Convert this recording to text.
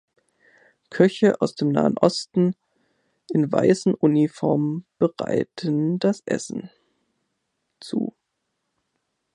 Köche aus dem Nahen Osten in weißen Uniformen bereiten das Essen zu.